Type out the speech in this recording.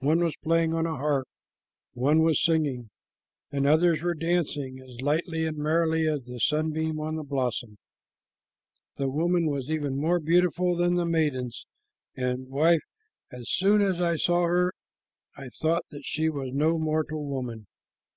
One was playing on a harp, one was singing, and others were dancing as lightly and merrily as a sunbeam on a blossom. The woman was even more beautiful than the maidens, and, wife, as soon as I saw her I thought that she was no mortal woman."